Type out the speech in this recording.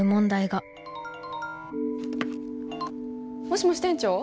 もしもし店長？